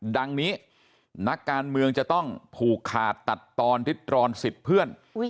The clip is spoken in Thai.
ดังนี้นักการเมืองจะต้องผูกขาดตัดตอนริดรอนสิทธิ์เพื่อน